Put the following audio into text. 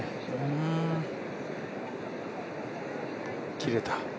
切れた。